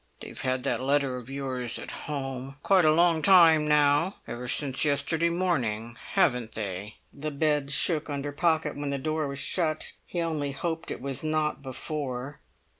"They've had that letter of yours at home quite a long time now—ever since yesterday morning, haven't they?" The bed shook under Pocket when the door was shut—he only hoped it was not before.